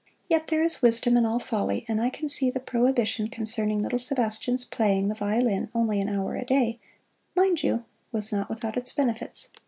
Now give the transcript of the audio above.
Yet there is wisdom in all folly, and I can see that the prohibition concerning little Sebastian's playing the violin only an hour a day mind you! was not without its benefits.